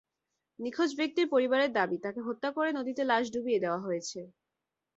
নিখোঁজ ব্যক্তির পরিবারের দাবি, তাঁকে হত্যা করে নদীতে লাশ ডুবিয়ে দেওয়া হয়েছে।